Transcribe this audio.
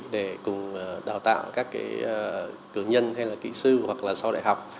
để cùng đào tạo các cử nhân hay là kỹ sư hoặc là sau đại học